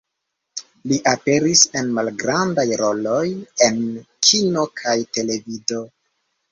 Li aperis en malgrandaj roloj en kino kaj televido.